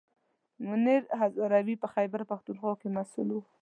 منیر هزاروي په خیبر پښتونخوا کې مسوول و.